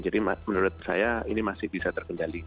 jadi menurut saya ini masih bisa terkendali